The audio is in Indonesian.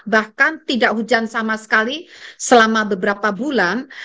bahkan tidak hujan sama sekali selama beberapa bulan